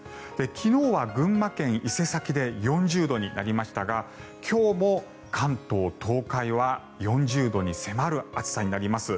昨日は群馬県伊勢崎で４０度になりましたが今日も関東、東海は４０度に迫る暑さになります。